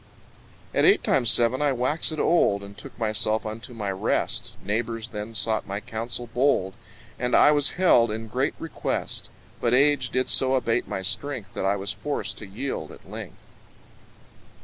At eight times seven I waxèd old, And took myself unto my rest, Neighbours then sought my counsel bold, And I was held in great request; But age did so abate my strength, That I was forced to yield at length.